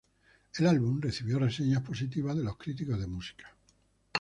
El álbum recibió reseñas positivas de los críticos de música.